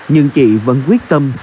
nhưng chị vẫn quyết tâm